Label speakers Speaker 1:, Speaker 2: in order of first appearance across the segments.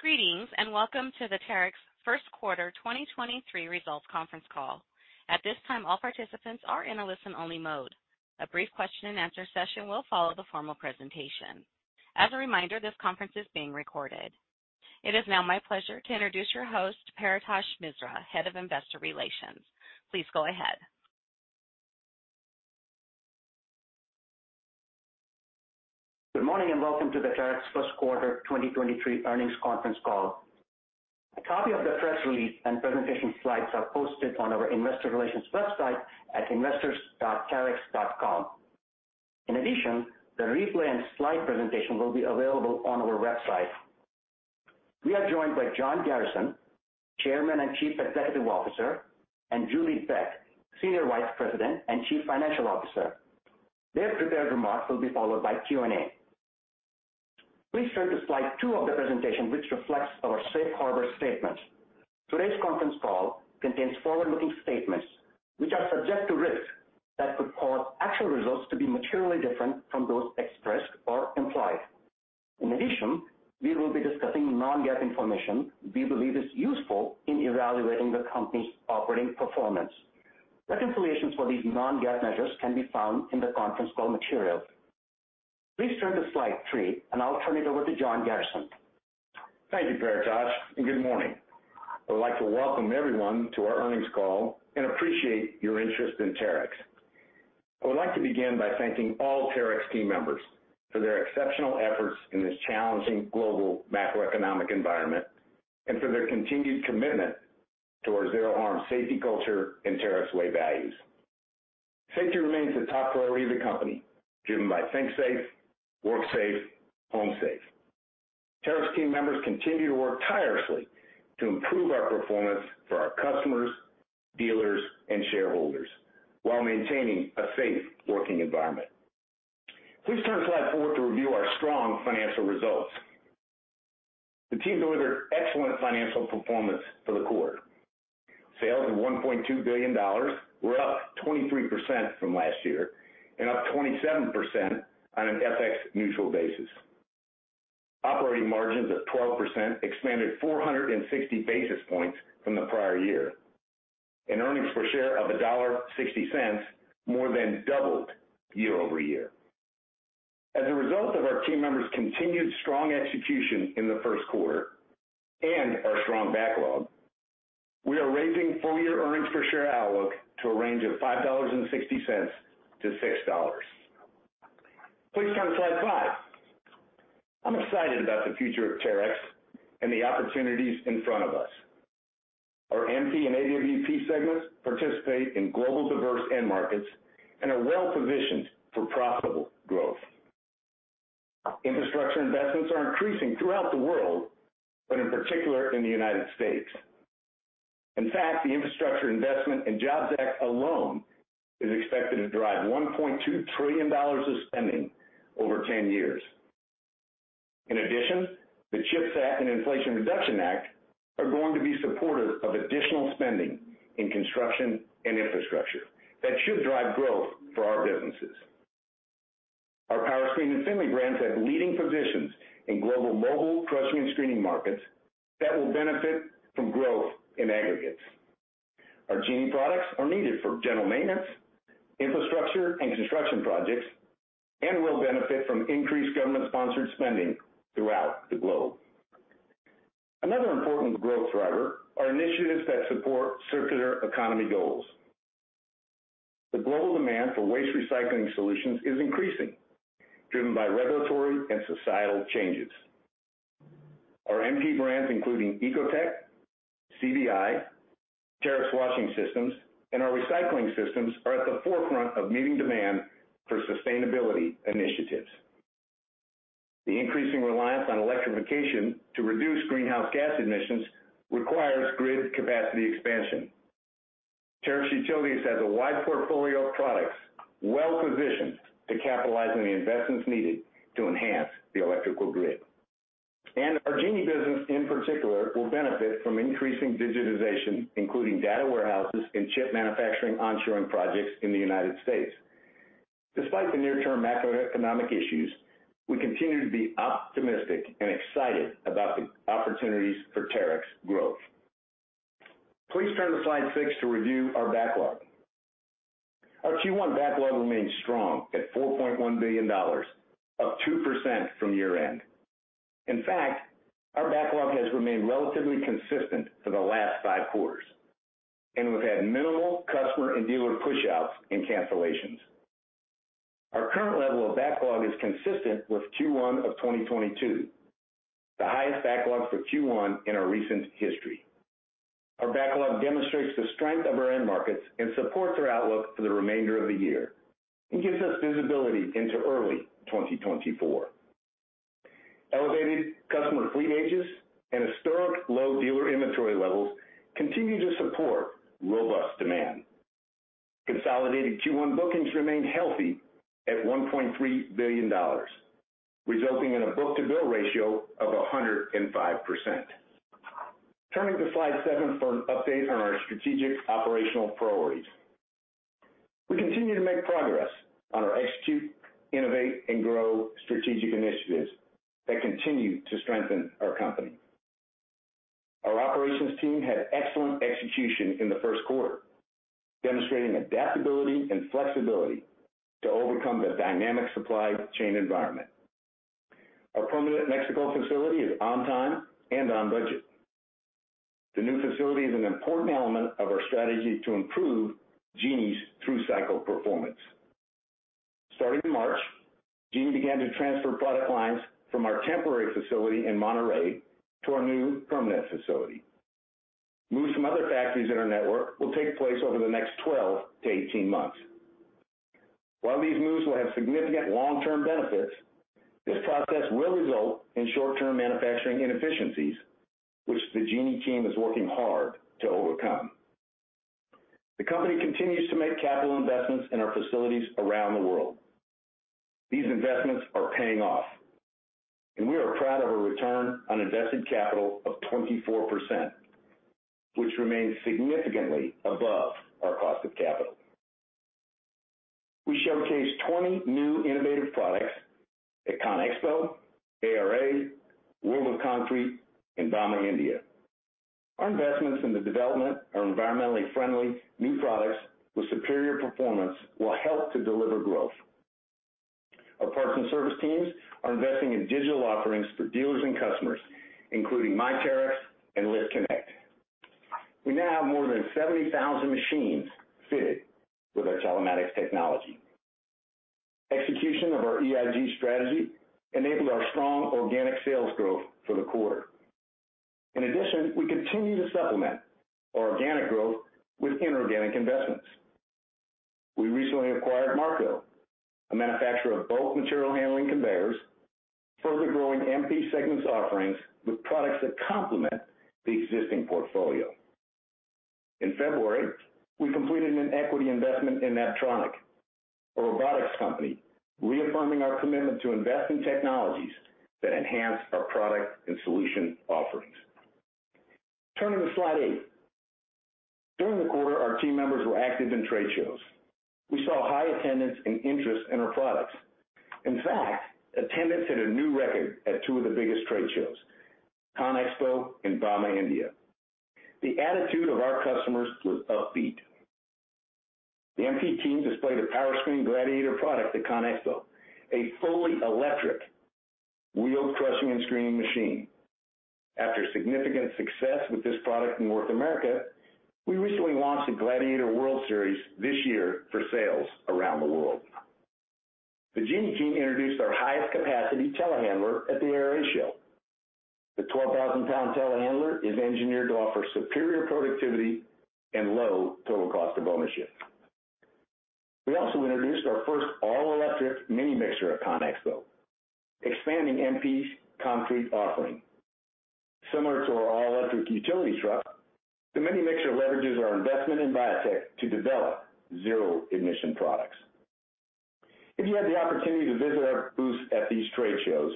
Speaker 1: Greetings, welcome to the Terex first quarter 2023 results Conference Call. At this time, all participants are in a listen-only mode. A brief question-and-answer session will follow the formal presentation. As a reminder, this conference is being recorded. It is now my pleasure to introduce your host, Paretosh Misra, Head of Investor Relations. Please go ahead.
Speaker 2: Good morning, and welcome to the Terex first quarter 2023 Earnings Conference Call. A copy of the press release and presentation slides are posted on our investor relations website at investors.terex.com. The replay and slide presentation will be available on our website. We are joined by John Garrison, Chairman and Chief Executive Officer, and Julie Beck, Senior Vice President and Chief Financial Officer. Their prepared remarks will be followed by Q&A. Please turn to slide two of the presentation, which reflects our safe harbor statement. Today's conference call contains forward-looking statements which are subject to risks that could cause actual results to be materially different from those expressed or implied. We will be discussing non-GAAP information we believe is useful in evaluating the company's operating performance. Reconciliations for these non-GAAP measures can be found in the conference call materials. Please turn to slide three. I'll turn it over to John Garrison.
Speaker 3: Thank you, Paretosh, and good morning. I would like to welcome everyone to our earnings call and appreciate your interest in Terex. I would like to begin by thanking all Terex team members for their exceptional efforts in this challenging global macroeconomic environment and for their continued commitment to our Zero Harm safety culture and Terex Way values. Safety remains a top priority of the company, driven by think safe, work safe, home safe. Terex team members continue to work tirelessly to improve our performance for our customers, dealers, and shareholders while maintaining a safe working environment. Please turn to slide 4 to review our strong financial results. The team delivered excellent financial performance for the quarter. Sales of $1.2 billion were up 23% from last year and up 27% on an FX neutral basis. Operating margins of 12% expanded 460 basis points from the prior year. Earnings per share of $1.60 more than doubled year-over-year. As a result of our team members' continued strong execution in the first quarter and our strong backlog, we are raising full year earnings per share outlook to a range of $5.60-$6.00. Please turn to slide 5. I'm excited about the future of Terex and the opportunities in front of us. Our MP and AWP segments participate in global diverse end markets and are well positioned for profitable growth. Infrastructure investments are increasing throughout the world, but in particular in the United States. In fact, the Infrastructure Investment and Jobs Act alone is expected to drive $1.2 trillion of spending over 10 years. The CHIPS Act and Inflation Reduction Act are going to be supportive of additional spending in construction and infrastructure that should drive growth for our businesses. Our Powerscreen and Finlay brands have leading positions in global mobile crushing and screening markets that will benefit from growth in aggregates. Our Genie products are needed for general maintenance, infrastructure and construction projects, and will benefit from increased government-sponsored spending throughout the globe. Another important growth driver are initiatives that support circular economy goals. The global demand for waste recycling solutions is increasing, driven by regulatory and societal changes. Our MP brands, including Ecotec, CBI, Terex Washing Systems, and our recycling systems are at the forefront of meeting demand for sustainability initiatives. The increasing reliance on electrification to reduce greenhouse gas emissions requires grid capacity expansion. Terex Utilities has a wide portfolio of products well positioned to capitalize on the investments needed to enhance the electrical grid. Our Genie business in particular will benefit from increasing digitization, including data warehouses and chip manufacturing onshoring projects in the United States. Despite the near-term macroeconomic issues, we continue to be optimistic and excited about the opportunities for Terex growth. Please turn to slide 6 to review our backlog. Our Q1 backlog remains strong at $4.1 billion, up 2% from year-end. In fact, our backlog has remained relatively consistent for the last five quarters, and we've had minimal customer and dealer pushouts and cancellations. Our current level of backlog is consistent with Q1 of 2022, the highest backlog for Q1 in our recent history. Our backlog demonstrates the strength of our end markets and supports our outlook for the remainder of the year and gives us visibility into early 2024. Elevated customer fleet ages and historic low dealer inventory levels continue to support robust demand. Consolidated Q1 bookings remained healthy at $1.3 billion, resulting in a book-to-bill ratio of 105%. Turning to slide 7 for an update on our strategic operational priorities. We continue to make progress on our execute, innovate, and grow strategic initiatives that continue to strengthen our company. Our operations team had excellent execution in the first quarter, demonstrating adaptability and flexibility to overcome the dynamic supply chain environment. Our permanent Monterrey facility is on time and on budget. The new facility is an important element of our strategy to improve Genie's through-cycle performance. Starting in March, Genie began to transfer product lines from our temporary facility in Monterrey to our new permanent facility. Moves from other factories in our network will take place over the next 12 to 18 months. While these moves will have significant long-term benefits, this process will result in short-term manufacturing inefficiencies, which the Genie team is working hard to overcome. The company continues to make capital investments in our facilities around the world. These investments are paying off, and we are proud of a return on invested capital of 24%, which remains significantly above our cost of capital. We showcased 20 new innovative products at CONEXPO, ARA, World of Concrete, and Bauma India. Our investments in the development of environmentally friendly new products with superior performance will help to deliver growth. Our parts and service teams are investing in digital offerings for dealers and customers, including My Terex and Lift Connect. We now have more than 70,000 machines fitted with our telematics technology. Execution of our EIG strategy enabled our strong organic sales growth for the quarter. We continue to supplement our organic growth with inorganic investments. We recently acquired MARCO, a manufacturer of both material handling conveyors, further growing MP segment's offerings with products that complement the existing portfolio. In February, we completed an equity investment in Apptronik, a robotics company, reaffirming our commitment to invest in technologies that enhance our product and solution offerings. Turning to slide 8. During the quarter, our team members were active in trade shows. We saw high attendance and interest in our products. Attendance hit a new record at two of the biggest trade shows, CONEXPO and bauma India. The attitude of our customers was upbeat. The MP team displayed a Powerscreen Gladiator product at CONEXPO, a fully electric wheel crushing and screening machine. After significant success with this product in North America, we recently launched the Gladiator World Series this year for sales around the world. The Genie team introduced our highest capacity telehandler at the ARA show. The 12,000-pound telehandler is engineered to offer superior productivity and low total cost of ownership. We also introduced our first all-electric mini mixer at Conexpo, expanding MP's concrete offering. Similar to our all-electric utility truck, the mini mixer leverages our investment in Viatec to develop zero emission products. If you had the opportunity to visit our booth at these trade shows,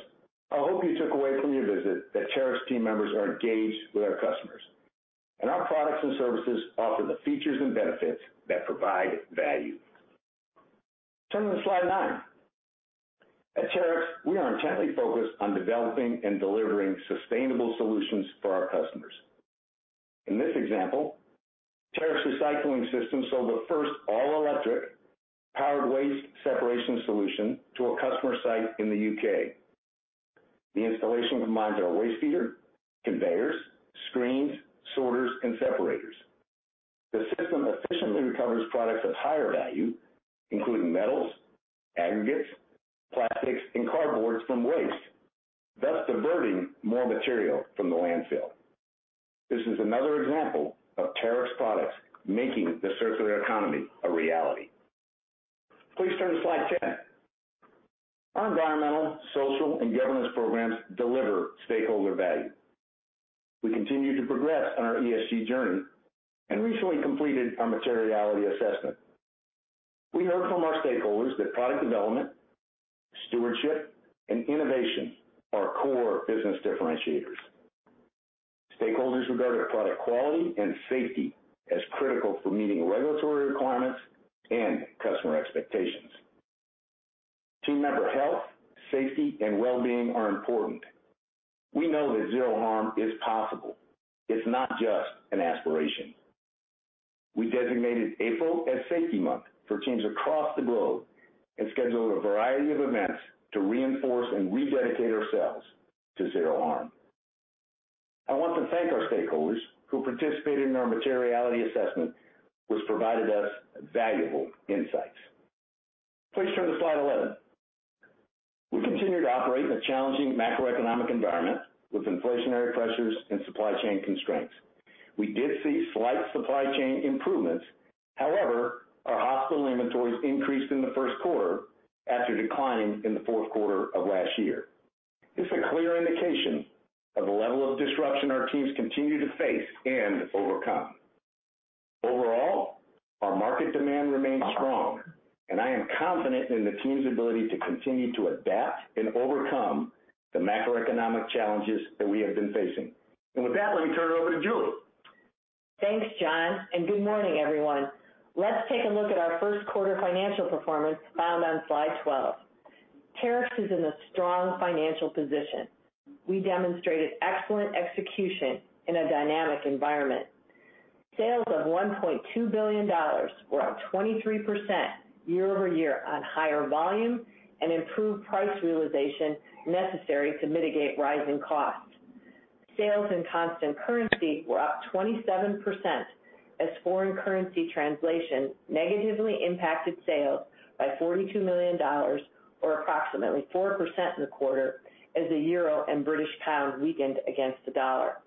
Speaker 3: I hope you took away from your visit that Terex team members are engaged with our customers, our products and services offer the features and benefits that provide value. Turning to slide 9. At Terex, we are intently focused on developing and delivering sustainable solutions for our customers. In this example, Terex Recycling Systems sold the first all-electric powered waste separation solution to a customer site in the U.K. The installation combines our waste feeder, conveyors, screens, sorters, and separators. The system efficiently recovers products of higher value, including metals, aggregates, plastics, and cardboards from waste, thus diverting more material from the landfill. This is another example of Terex products making the circular economy a reality. Please turn to slide 10. Our environmental, social, and governance programs deliver stakeholder value. We continue to progress on our ESG journey and recently completed our materiality assessment. We heard from our stakeholders that product development, stewardship, and innovation are core business differentiators. Stakeholders regard our product quality and safety as critical for meeting regulatory requirements and customer expectations. Team member health, safety, and well-being are important. We know that Zero Harm is possible. It's not just an aspiration. We designated April as safety month for teams across the globe and scheduled a variety of events to reinforce and rededicate ourselves to Zero Harm. I want to thank our stakeholders who participated in our materiality assessment, which provided us valuable insights. Please turn to slide 11. We continue to operate in a challenging macroeconomic environment with inflationary pressures and supply chain constraints. We did see slight supply chain improvements. However, our hospital inventories increased in the first quarter after declining in the fourth quarter of last year. It's a clear indication of the level of disruption our teams continue to face and overcome. Overall, our market demand remains strong. I am confident in the team's ability to continue to adapt and overcome the macroeconomic challenges that we have been facing. With that, let me turn it over to Julie.
Speaker 4: Thanks, John. Good morning, everyone. Let's take a look at our first quarter financial performance found on slide 12. Terex is in a strong financial position. We demonstrated excellent execution in a dynamic environment. Sales of $1.2 billion were up 23% year-over-year on higher volume and improved price realization necessary to mitigate rising costs. Sales in constant currency were up 27% as foreign currency translation negatively impacted sales by $42 million or approximately 4% in the quarter as the euro and British pound weakened against the dollar.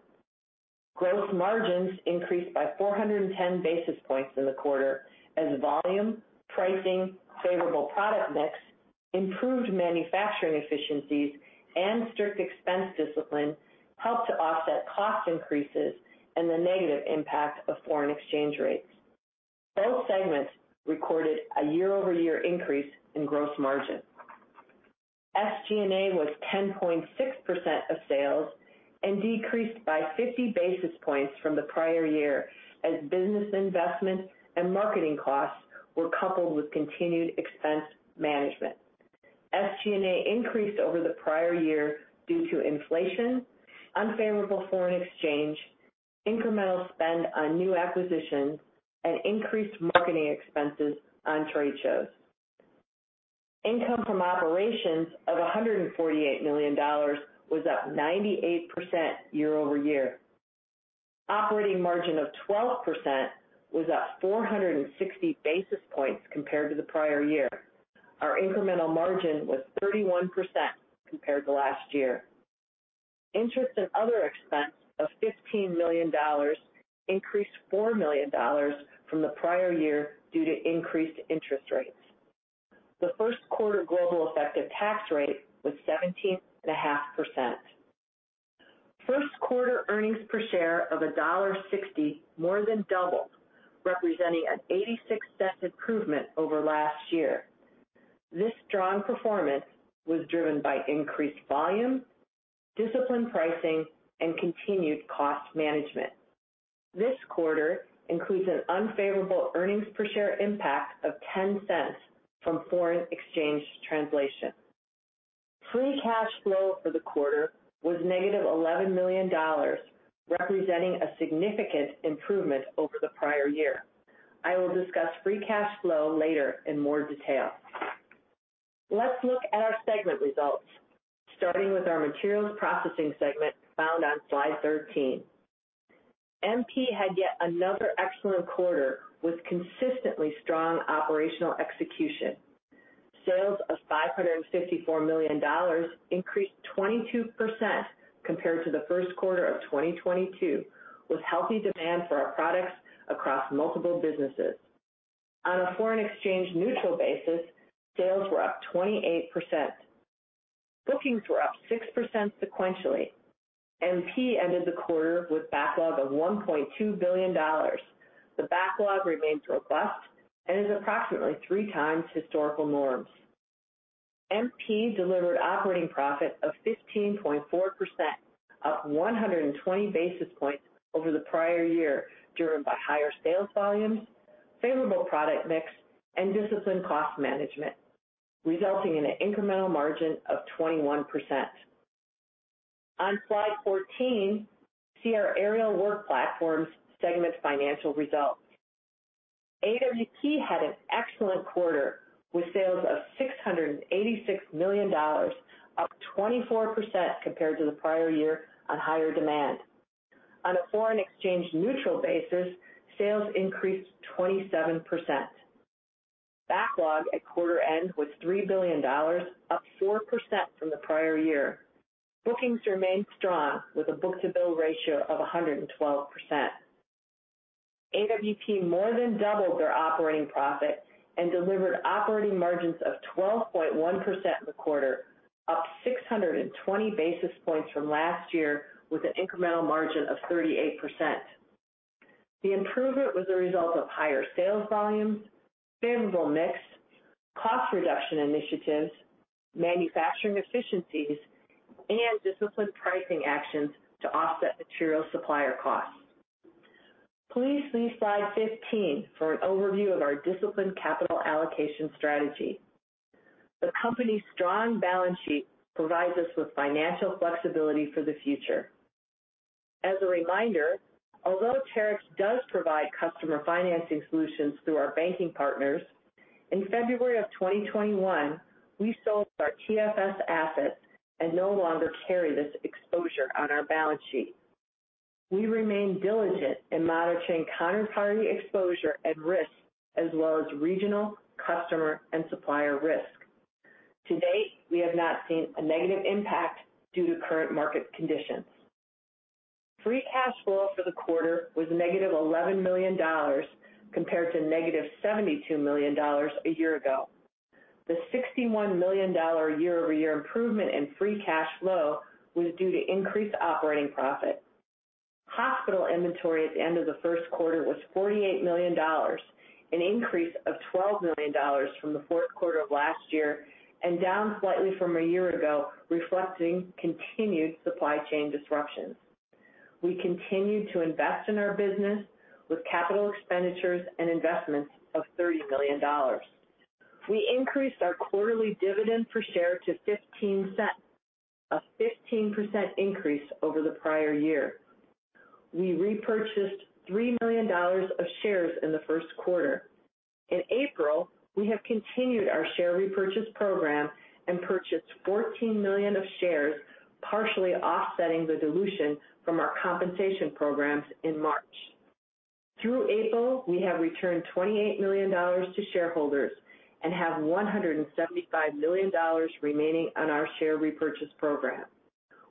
Speaker 4: Gross margins increased by 410 basis points in the quarter as volume, pricing, favorable product mix, improved manufacturing efficiencies, and strict expense discipline helped to offset cost increases and the negative impact of foreign exchange rates. Both segments recorded a year-over-year increase in gross margin. SG&A was 10.6% of sales and decreased by 50 basis points from the prior year as business investment and marketing costs were coupled with continued expense management. SG&A increased over the prior year due to inflation, unfavorable foreign exchange, incremental spend on new acquisitions, and increased marketing expenses on trade shows. Income from operations of $148 million was up 98% year-over-year. Operating margin of 12% was up 460 basis points compared to the prior year. Our incremental margin was 31% compared to last year. Interest and other expense of $15 million increased $4 million from the prior year due to increased interest rates. The first quarter global effective tax rate was 17.5%. First quarter earnings per share of $1.60 more than doubled, representing an $0.86 improvement over last year. This strong performance was driven by increased volume, disciplined pricing, and continued cost management. This quarter includes an unfavorable earnings per share impact of $0.10 from foreign exchange translation. Free cash flow for the quarter was negative $11 million, representing a significant improvement over the prior year. I will discuss free cash flow later in more detail. Let's look at our segment results, starting with our Materials Processing segment found on slide 13. MP had yet another excellent quarter with consistently strong operational execution. Sales of $554 million increased 22% compared to the first quarter of 2022, with healthy demand for our products across multiple businesses. On a foreign exchange neutral basis, sales were up 28%. Bookings were up 6% sequentially. MP ended the quarter with backlog of $1.2 billion. The backlog remains robust and is approximately 3 times historical norms. MP delivered operating profit of 15.4%, up 120 basis points over the prior year, driven by higher sales volumes, favorable product mix, and disciplined cost management, resulting in an incremental margin of 21%. On slide 14, see our Aerial Work Platforms segment financial results. AWP had an excellent quarter with sales of $686 million, up 24% compared to the prior year on higher demand. On a foreign exchange neutral basis, sales increased 27%. Backlog at quarter end was $3 billion, up 4% from the prior year. Bookings remained strong with a book-to-bill ratio of 112%. AWP more than doubled their operating profit and delivered operating margins of 12.1% in the quarter, up 620 basis points from last year with an incremental margin of 38%. The improvement was a result of higher sales volumes, favorable mix, cost reduction initiatives, manufacturing efficiencies, and disciplined pricing actions to offset material supplier costs. Please see slide 15 for an overview of our disciplined capital allocation strategy. The company's strong balance sheet provides us with financial flexibility for the future. As a reminder, although Terex does provide customer financing solutions through our banking partners, in February of 2021, we sold our TFS assets and no longer carry this exposure on our balance sheet. We remain diligent in monitoring counterparty exposure and risk as well as regional, customer, and supplier risk. To date, we have not seen a negative impact due to current market conditions. Free cash flow for the quarter was negative $11 million compared to negative $72 million a year ago. The $61 million year-over-year improvement in free cash flow was due to increased operating profit. Hospital inventory at the end of the first quarter was $48 million, an increase of $12 million from the fourth quarter of last year, and down slightly from a year ago, reflecting continued supply chain disruptions. We continued to invest in our business with capital expenditures and investments of $30 million. We increased our quarterly dividend per share to $0.15, a 15% increase over the prior year. We repurchased $3 million of shares in the first quarter. In April, we have continued our share repurchase program and purchased $14 million of shares, partially offsetting the dilution from our compensation programs in March. Through April, we have returned $28 million to shareholders and have $175 million remaining on our share repurchase program.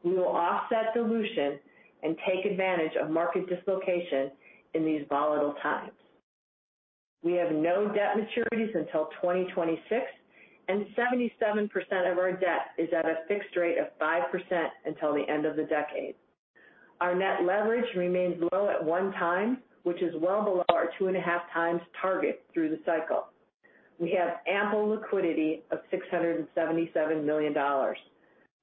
Speaker 4: We will offset dilution and take advantage of market dislocation in these volatile times. We have no debt maturities until 2026, and 77% of our debt is at a fixed rate of 5% until the end of the decade. Our net leverage remains low at 1x, which is well below our 2.5x target through the cycle. We have ample liquidity of $677 million.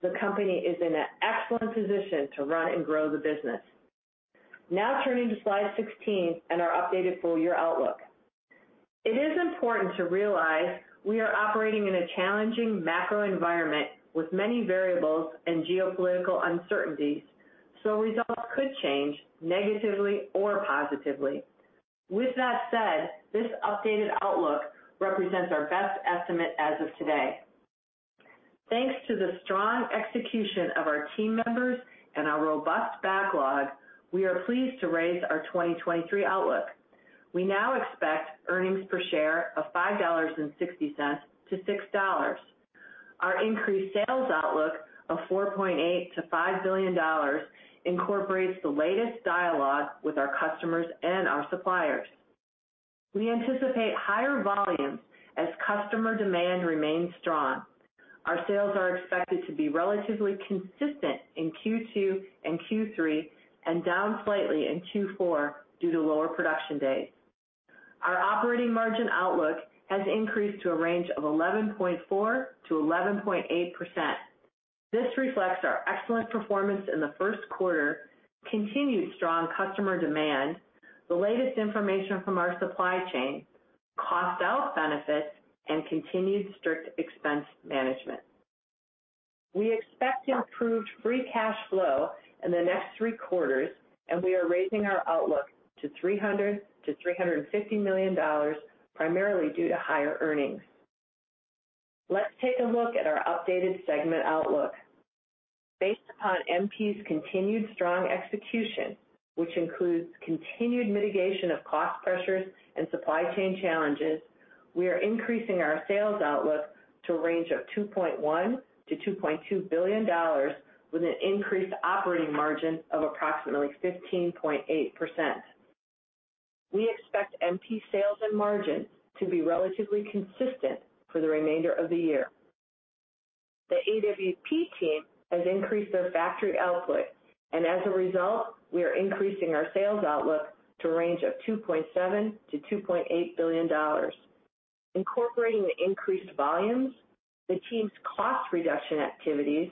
Speaker 4: The company is in an excellent position to run and grow the business. Turning to slide 16 and our updated full year outlook. It is important to realize we are operating in a challenging macro environment with many variables and geopolitical uncertainties, so results could change negatively or positively. With that said, this updated outlook represents our best estimate as of today. Thanks to the strong execution of our team members and our robust backlog, we are pleased to raise our 2023 outlook. We now expect earnings per share of $5.60-$6.00. Our increased sales outlook of $4.8 billion-$5 billion incorporates the latest dialogue with our customers and our suppliers. We anticipate higher volumes as customer demand remains strong. Our sales are expected to be relatively consistent in Q2 and Q3, and down slightly in Q4 due to lower production days. Our operating margin outlook has increased to a range of 11.4%-11.8%. This reflects our excellent performance in the first quarter, continued strong customer demand, the latest information from our supply chain, cost out benefits, and continued strict expense management. We expect improved free cash flow in the next three quarters. We are raising our outlook to $300 million-$350 million, primarily due to higher earnings. Let's take a look at our updated segment outlook. Based upon MP's continued strong execution, which includes continued mitigation of cost pressures and supply chain challenges, we are increasing our sales outlook to a range of $2.1 billion-$2.2 billion with an increased operating margin of approximately 15.8%. We expect MP sales and margin to be relatively consistent for the remainder of the year. The AWT team has increased their factory output, as a result, we are increasing our sales outlook to a range of $2.7 billion-$2.8 billion. Incorporating the increased volumes, the team's cost reduction activities,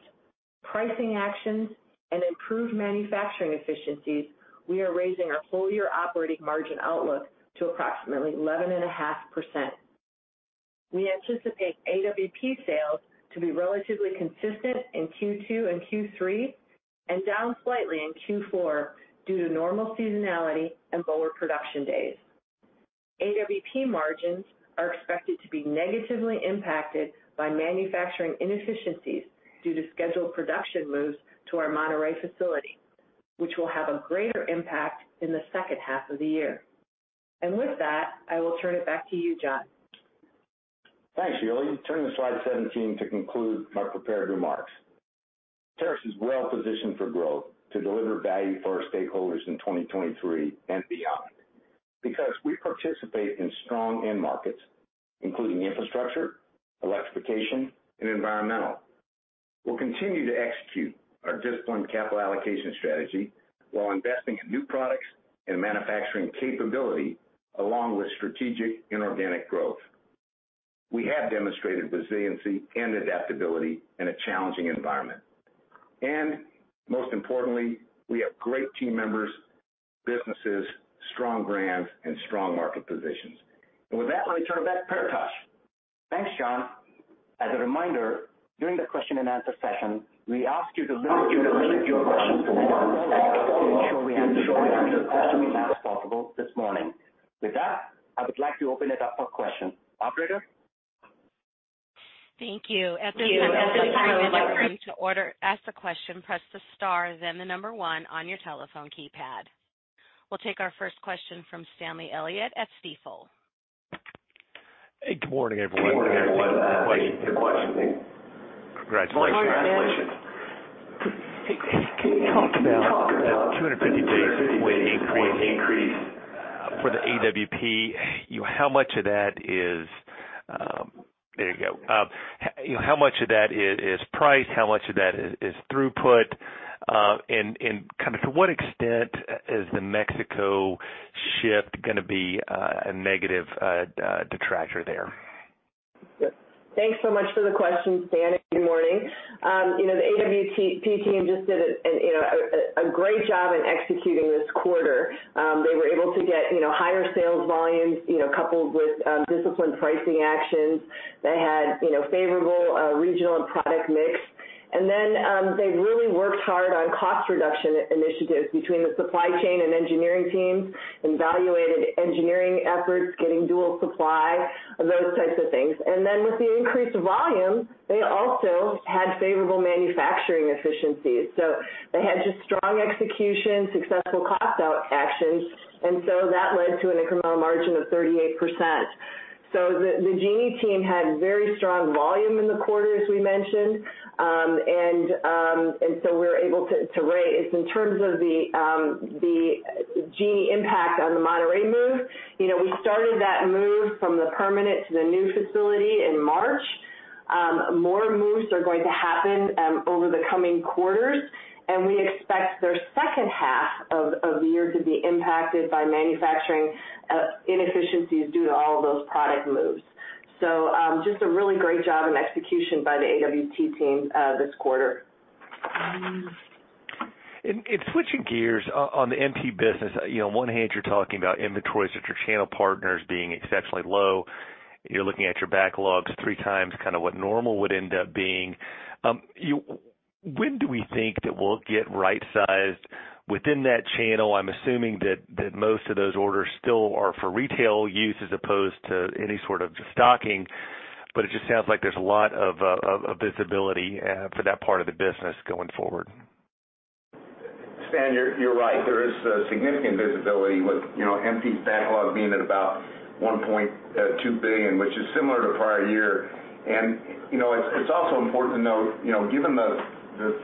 Speaker 4: pricing actions, and improved manufacturing efficiencies, we are raising our full year operating margin outlook to approximately 11.5%. We anticipate AWP sales to be relatively consistent in Q2 and Q3 down slightly in Q4 due to normal seasonality and lower production days. AWP margins are expected to be negatively impacted by manufacturing inefficiencies due to scheduled production moves to our Monterrey facility, which will have a greater impact in the second half of the year. With that, I will turn it back to you, John.
Speaker 3: Thanks, Julie. Turn to slide 17 to conclude my prepared remarks. Terex is well positioned for growth to deliver value for our stakeholders in 2023 and beyond because we participate in strong end markets, including infrastructure, electrification, and environmental. We'll continue to execute our disciplined capital allocation strategy while investing in new products and manufacturing capability along with strategic inorganic growth. We have demonstrated resiliency and adaptability in a challenging environment. Most importantly, we have great team members, businesses, strong brands, and strong market positions. With that, let me turn it back to Paretosh.
Speaker 2: Thanks, John. As a reminder, during the question and answer session, we ask you to limit your questions to 1 to ensure we have time to answer as many as possible this morning. With that, I would like to open it up for questions. Operator?
Speaker 1: Thank you. At this time, if you would like to ask a question, press the star, then 1 on your telephone keypad. We'll take our first question from Stanley Elliott at Stifel.
Speaker 5: Hey, good morning, everyone.
Speaker 3: Good morning. Thank you for questioning.
Speaker 5: Congratulations. Can you talk about the 250 basis? Increase. There you go. You know, how much of that is price? How much of that is throughput? And kind of to what extent is the Mexico shift gonna be a negative detractor there?
Speaker 4: Thanks so much for the question, Stan. Good morning. you know, the AWT team just did you know, a great job in executing this quarter. They were able to get, you know, higher sales volumes, you know, coupled with, disciplined pricing actions. They had, you know, favorable, regional and product mix. Then, they really worked hard on cost reduction initiatives between the supply chain and engineering teams, and value engineering efforts, getting dual supply, those types of things. Then with the increased volume, they also had favorable manufacturing efficiencies. They had just strong execution, successful cost out actions, and that led to an incremental margin of 38%. The Genie team had very strong volume in the quarter, as we mentioned. We were able to raise. In terms of the Genie impact on the Monterrey move, you know, we started that move from the permanent to the new facility in March. More moves are going to happen over the coming quarters, and we expect their second half of the year to be impacted by manufacturing inefficiencies due to all of those product moves. Just a really great job in execution by the AWT team this quarter.
Speaker 5: Switching gears, on the MP business, you know, on one hand you're talking about inventories with your channel partners being exceptionally low. You're looking at your backlogs three times kind of what normal would end up being. When do we think that we'll get right sized within that channel? I'm assuming that most of those orders still are for retail use as opposed to any sort of stocking. It just sounds like there's a lot of, of visibility for that part of the business going forward.
Speaker 3: Stan, you're right. There is a significant visibility with, you know, MP's backlog being at about $1.2 billion, which is similar to prior year. You know, it's also important to note, you know, given the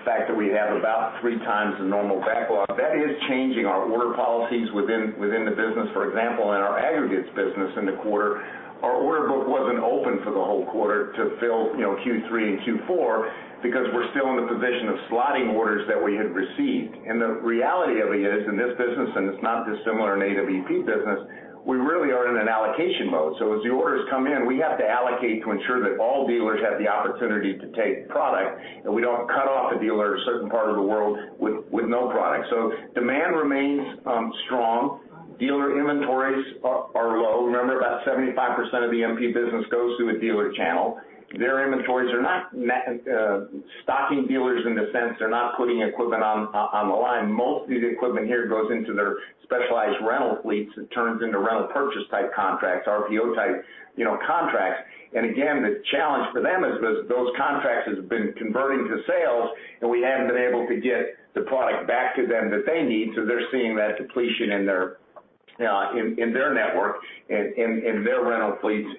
Speaker 3: fact that we have about 3 times the normal backlog, that is changing our order policies within the business. For example, in our aggregates business in the quarter, our order book wasn't open for the whole quarter to fill, you know, Q3 and Q4 because we're still in the position of slotting orders that we had received. The reality of it is, in this business, and it's not dissimilar in AWP business, we really are in an allocation mode. As the orders come in, we have to allocate to ensure that all dealers have the opportunity to take product, and we don't cut off a dealer in a certain part of the world with no product. Demand remains strong. Dealer inventories are low. Remember, about 75% of the MP business goes through a dealer channel. Their inventories are not stocking dealers in the sense they're not putting equipment on the line. Most of the equipment here goes into their specialized rental fleets. It turns into rental purchase type contracts, RPO type, you know, contracts. Again, the challenge for them is those contracts has been converting to sales, and we haven't been able to get the product back to them that they need, so they're seeing that depletion in their network, in their rental fleets.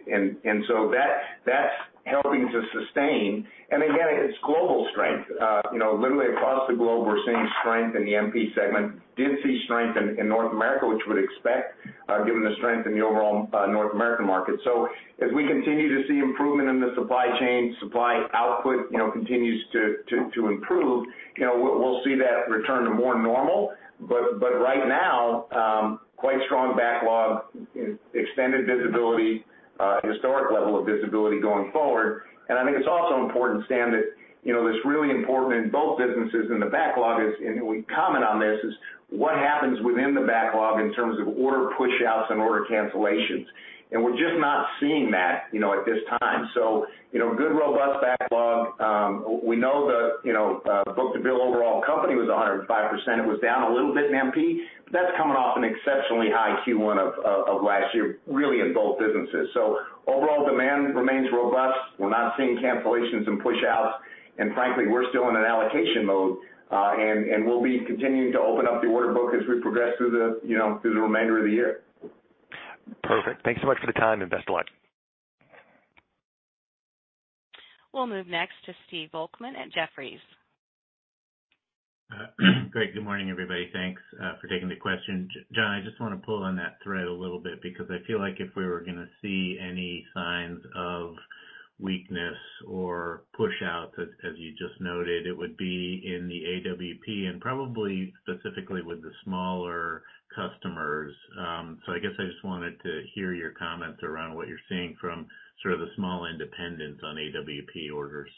Speaker 3: That's helping to sustain. Again, it's global strength. You know, literally across the globe, we're seeing strength in the MP segment. Did see strength in North America, which you would expect, given the strength in the overall North American market. As we continue to see improvement in the supply chain, supply output, you know, continues to improve, you know, we'll see that return to more normal. Right now, quite strong backlog, extended visibility, historic level of visibility going forward. I think it's also important, Stan, that, you know, what's really important in both businesses and the backlog is, and we comment on this, is what happens within the backlog in terms of order pushouts and order cancellations. We're just not seeing that, you know, at this time. You know, good, robust backlog. We know the, you know, book-to-bill overall company was 100%. It was down a little bit in MP, but that's coming off an exceptionally high Q1 of last year, really in both businesses. Overall demand remains robust. We're not seeing cancellations and pushouts. Frankly, we're still in an allocation mode. And we'll be continuing to open up the order book as we progress through the, you know, through the remainder of the year.
Speaker 5: Perfect. Thanks so much for the time, and best of luck.
Speaker 1: We'll move next to Stephen Volkmann at Jefferies.
Speaker 6: Great. Good morning, everybody. Thanks for taking the question. John, I just wanna pull on that thread a little bit because I feel like if we were gonna see any signs of weakness or pushout, as you just noted, it would be in the AWP and probably specifically with the smaller customers. I guess I just wanted to hear your comments around what you're seeing from sort of the small independents on AWP orders.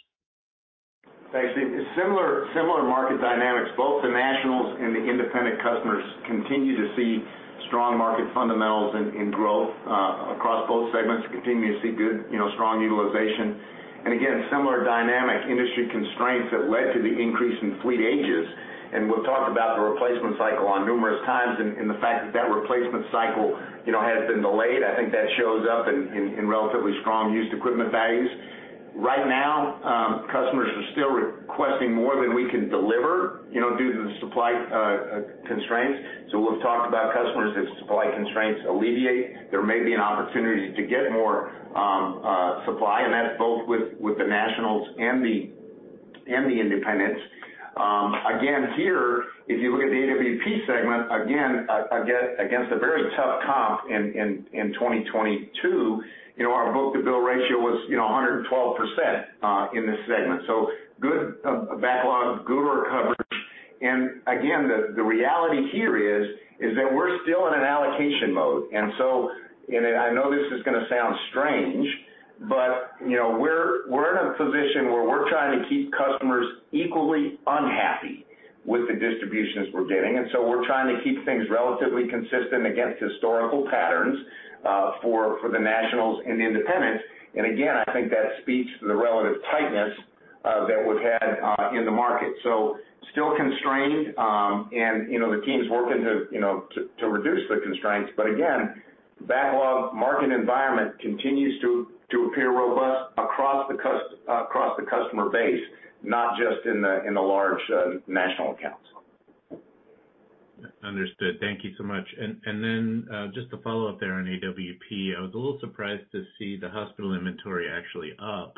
Speaker 3: Thanks, Steve. Similar market dynamics. Both the nationals and the independent customers continue to see strong market fundamentals and growth across both segments. Continue to see good, you know, strong utilization. Again, similar dynamic industry constraints that led to the increase in fleet ages. We've talked about the replacement cycle on numerous times and the fact that that replacement cycle, you know, has been delayed. I think that shows up in relatively strong used equipment values. Right now, customers are still requesting more than we can deliver, you know, due to the supply constraints. We've talked about customers as supply constraints alleviate. There may be an opportunity to get more supply, and that's both with the nationals and the independents. Again, here, if you look at the AWP segment, again, against a very tough comp in 2022, you know, our book-to-bill ratio was, you know, 112% in this segment. Good backlog, good recovery. Again, the reality here is that we're still in an allocation mode. I know this is gonna sound strange, but, you know, we're in a position where we're trying to keep customers equally unhappy with the distributions we're giving. We're trying to keep things relatively consistent against historical patterns, for the nationals and the independents. Again, I think that speaks to the relative tightness that we've had in the market. Still constrained, and, you know, the team's working to, you know, to reduce the constraints. Backlog market environment continues to appear robust across the customer base, not just in the, in the large, national accounts.
Speaker 6: Understood. Thank you so much. Just to follow up there on AWP, I was a little surprised to see the channel inventory actually up,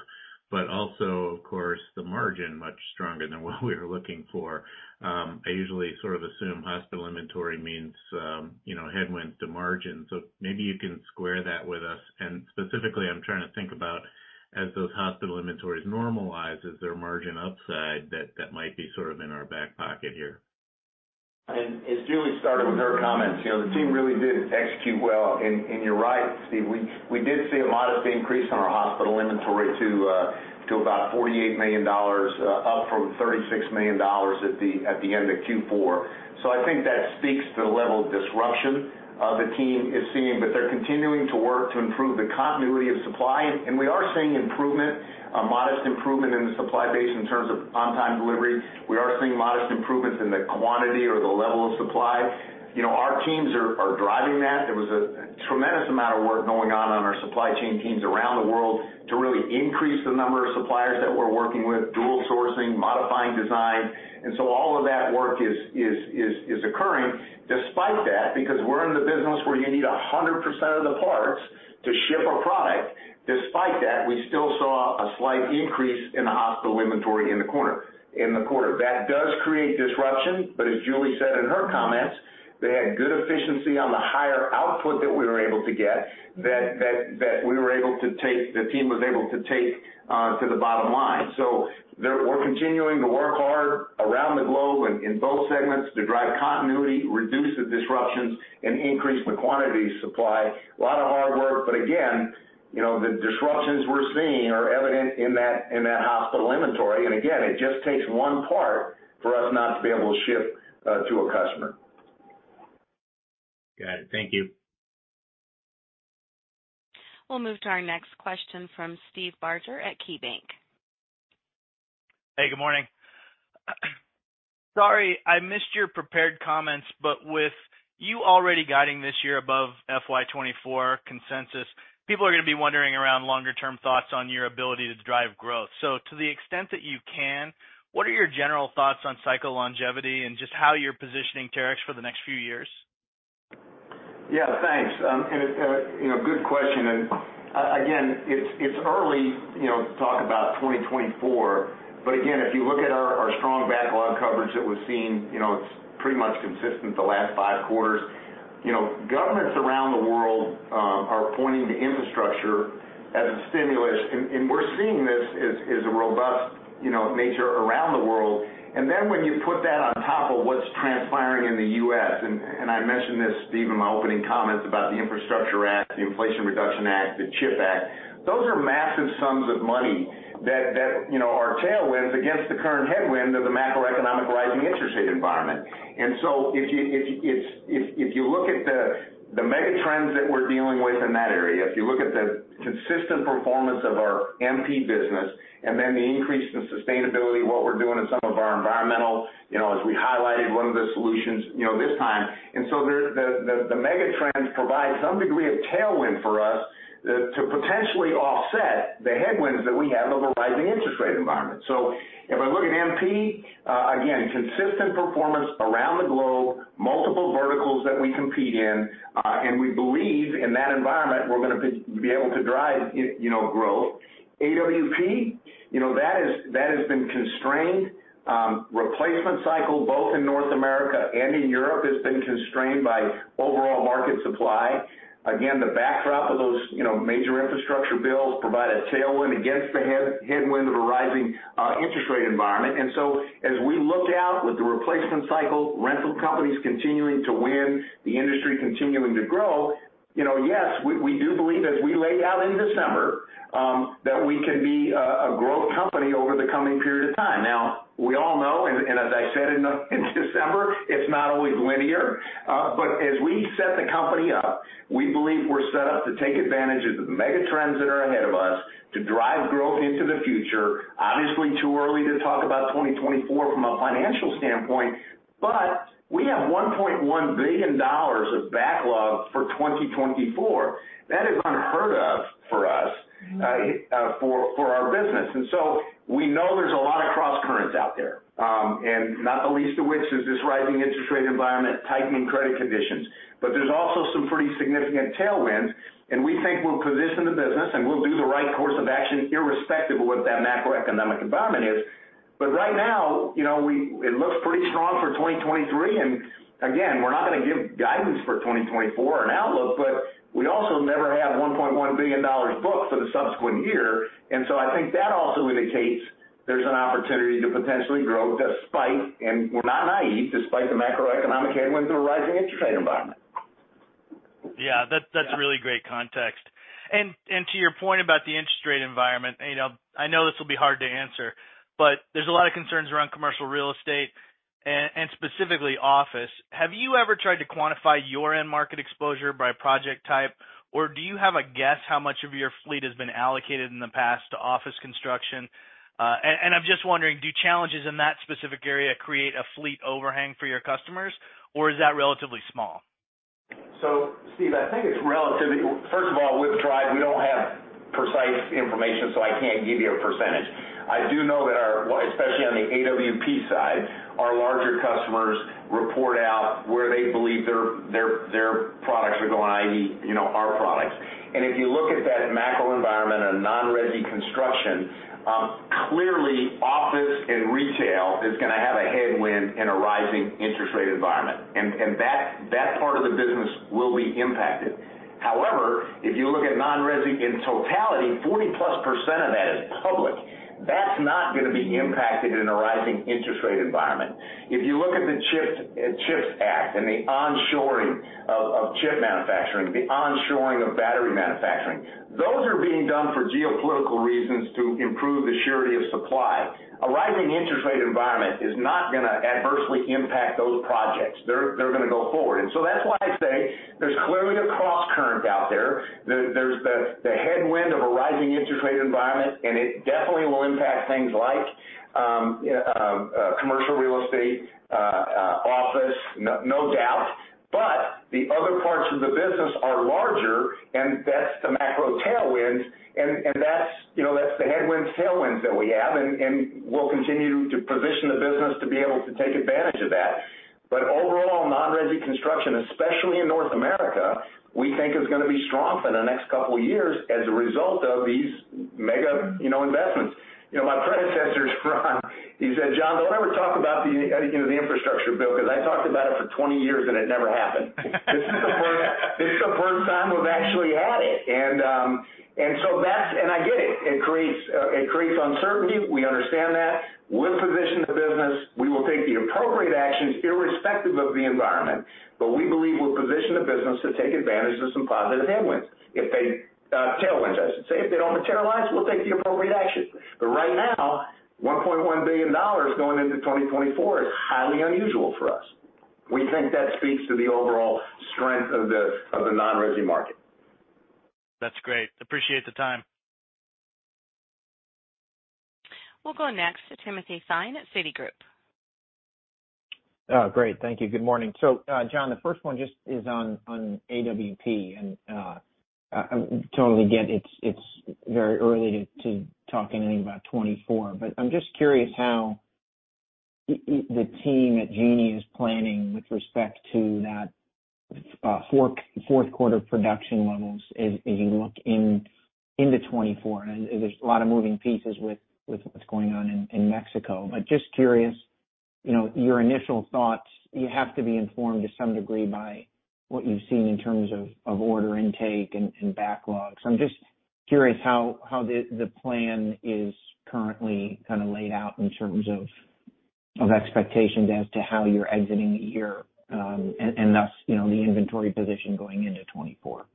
Speaker 6: but also of course, the margin much stronger than what we were looking for. I usually sort of assume channel inventory means, you know, headwinds to margin. Maybe you can square that with us. Specifically, I'm trying to think about as those hospital inventories normalize, is there margin upside that might be sort of in our back pocket here?
Speaker 3: As Julie started with her comments, you know, the team really did execute well. You're right, Steve, we did see a modest increase in our channel inventory to about $48 million, up from $36 million at the end of Q4. I think that speaks to the level of disruption the team is seeing. They're continuing to work to improve the continuity of supply. We are seeing improvement, a modest improvement in the supply base in terms of on-time delivery. We are seeing modest improvements in the quantity or the level of supply. You know, our teams are driving that. There was a tremendous amount of work going on on our supply chain teams around the world to really increase the number of suppliers that we're working with, dual sourcing, modifying design. All of that work is occurring. Despite that, because we're in the business where you need 100% of the parts to ship a product, despite that, we still saw a slight increase in the channel inventory in the quarter. That does create disruption, but as Julie said in her comments, they had good efficiency on the higher output that we were able to get, that we were able to take, the team was able to take to the bottom line. We're continuing to work hard around the globe in both segments to drive continuity, reduce the disruptions, and increase the quantity supply. A lot of hard work, but again, you know, the disruptions we're seeing are evident in that channel inventory. Again, it just takes one part for us not to be able to ship to a customer.
Speaker 6: Got it. Thank you.
Speaker 1: We'll move to our next question from Steve Barger at KeyBank.
Speaker 7: Hey, good morning. Sorry, I missed your prepared comments. With you already guiding this year above FY 2024 consensus, people are gonna be wondering around longer term thoughts on your ability to drive growth. To the extent that you can, what are your general thoughts on cycle longevity and just how you're positioning Terex for the next few years?
Speaker 3: Yeah, thanks. It, you know, good question. Again, it's early, you know, to talk about 2024, again, if you look at our strong backlog coverage that we've seen, you know, it's pretty much consistent the last five quarters. You know, governments around the world are pointing to infrastructure as a stimulus, and we're seeing this as a robust, you know, nature around the world. Then when you put that on top of what's transpiring in the U.S., I mentioned this, Steve, in my opening comments about the Infrastructure Act, the Inflation Reduction Act, the CHIP Act, those are massive sums of money that, you know, are tailwinds against the current headwind of the macroeconomic rising interest rate environment. If you, if you look at the mega trends that we're dealing with in that area, if you look at the consistent performance of our MP business and then the increase in sustainability, what we're doing in some of our environmental, you know, as we highlighted one of the solutions, you know, this time. There the mega trends provide some degree of tailwind for us to potentially offset the headwinds that we have of a rising interest rate environment. If I look at MP, again, consistent performance around the globe, multiple verticals that we compete in, and we believe in that environment, we're gonna be able to drive, you know, growth. AWP, you know, that has been constrained. Replacement cycle, both in North America and in Europe, has been constrained by overall market supply. The backdrop of those, you know, major infrastructure bills provide a tailwind against the headwind of a rising interest rate environment. As we look out with the replacement cycle, rental companies continuing to win, the industry continuing to grow, you know, yes, we do believe as we laid out in December that we can be a growth company over the coming period of time. We all know, and as I said in December, it's not always linear. As we set the company up, we believe we're set up to take advantage of the mega trends that are ahead of us to drive growth into the future. Obviously, too early to talk about 2024 from a financial standpoint, but we have $1.1 billion of backlog for 2024. That is unheard of for us, for our business. We know there's a lot of crosscurrents out there. Not the least of which is this rising interest rate environment, tightening credit conditions. There's also some pretty significant tailwinds, and we think we'll position the business and we'll do the right course of action irrespective of what that macroeconomic environment is. Right now, you know, it looks pretty strong for 2023. Again, we're not gonna give guidance for 2024 and outlook, but we also never had $1.1 billion booked for the subsequent year. I think that also indicates there's an opportunity to potentially grow despite, and we're not naive, despite the macroeconomic headwinds of a rising interest rate environment.
Speaker 7: Yeah, that's really great context. To your point about the interest rate environment, you know, I know this will be hard to answer, but there's a lot of concerns around commercial real estate and specifically office. Have you ever tried to quantify your end market exposure by project type? Do you have a guess how much of your fleet has been allocated in the past to office construction? I'm just wondering, do challenges in that specific area create a fleet overhang for your customers, or is that relatively small?
Speaker 3: Steve, I think First of all, with Tribe, we don't have precise information, so I can't give you a percentage. I do know that our, especially on the AWP side, our larger customers report out where they believe their products are going, i.e., you know, our products. If you look at that macro environment on non-resi construction, clearly office and retail is gonna have a headwind in a rising interest rate environment. That part of the business will be impacted. However, if you look at non-resi in totality, 40%+ of that is public. That's not gonna be impacted in a rising interest rate environment. If you look at the CHIPS Act and the onshoring of chip manufacturing, the onshoring of battery manufacturing, those are being done for geopolitical reasons to improve the surety of supply. A rising interest rate environment is not gonna adversely impact those projects. They're gonna go forward. That's why I say there's clearly the cross current out there. There's the headwind of a rising interest rate environment, it definitely will impact things like commercial real estate, office, no doubt. The other parts of the business are larger, that's the macro tailwind, and that's, you know, that's the headwinds, tailwinds that we have, and we'll continue to position the business to be able to take advantage of that. Overall, non-resi construction, especially in North America, we think is gonna be strong for the next couple of years as a result of these mega, you know, investments. You know, my predecessor, Ron, he said, "John, don't ever talk about the, you know, the infrastructure bill because I talked about it for 20 years, it never happened." This is the first time we've actually had it. I get it. It creates uncertainty. We understand that. We'll position the business. We will take the appropriate actions irrespective of the environment. We believe we'll position the business to take advantage of some positive headwinds. Tailwinds, I should say. If they don't materialize, we'll take the appropriate action. Right now, $1.1 billion going into 2024 is highly unusual for us. We think that speaks to the overall strength of the non-resi market.
Speaker 7: That's great. Appreciate the time.
Speaker 1: We'll go next to Timothy Thein at Citigroup.
Speaker 8: Great. Thank you. Good morning. John, the first one just is on AWP, and I totally get it's very early to talk anything about 2024, but I'm just curious how the team at Genie is planning with respect to that fourth quarter production levels as you look into 2024. There's a lot of moving pieces with what's going on in Mexico. Just curious, you know, your initial thoughts. You have to be informed to some degree by what you've seen in terms of order intake and backlogs. I'm just curious how the plan is currently kinda laid out in terms of expectations as to how you're exiting the year, and thus, you know, the inventory position going into 2024.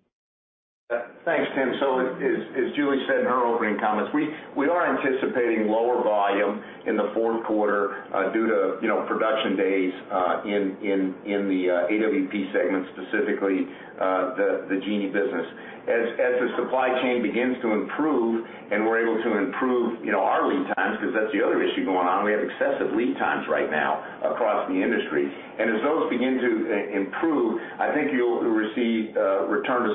Speaker 3: Thanks, Tim. As Julie said in her opening comments, we are anticipating lower volume in the fourth quarter, due to, you know, production days, in the AWP segment, specifically, the Genie business. As the supply chain begins to improve and we're able to improve, you know, our lead times, because that's the other issue going on, we have excessive lead times right now across the industry. As those begin to improve, I think you'll receive, return to